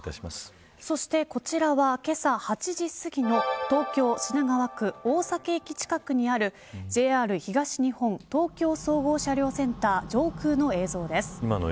そしてこちらはけさ８時すぎの東京、品川区大崎駅近くにあるＪＲ東日本東京総合車両センター上空の映像です。